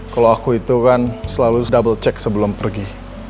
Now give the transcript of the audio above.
kalau aku itu kan selalu double check sebelum pergi